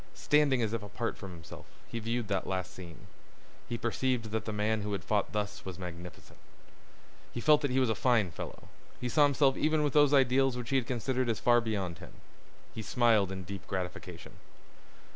Standing as if apart from himself, he viewed that last scene. He perceived that the man who had fought thus was magnificent. He felt that he was a fine fellow. He saw himself even with those ideals which he had considered as far beyond him. He smiled in deep gratification.